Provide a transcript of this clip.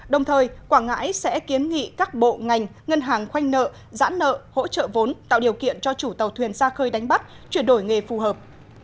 đồng thời quảng ngãi sẽ kiến nghị các bộ ngành ngân hàng khoanh nợ giãn nợ hỗ trợ vốn tạo điều kiện cho chủ tàu thuyền xa khơi đánh bắt chuyển đổi nghề phù hợp